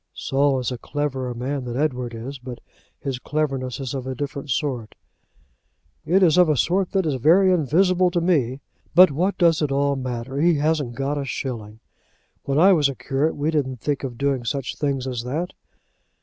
"Saul is a cleverer man than Edward is; but his cleverness is of a different sort." "It is of a sort that is very invisible to me. But what does all that matter? He hasn't got a shilling. When I was a curate, we didn't think of doing such things as that."